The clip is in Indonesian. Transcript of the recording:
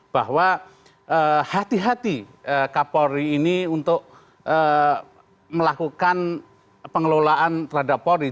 bahwa hati hati kapolri ini untuk melakukan pengelolaan terhadap polri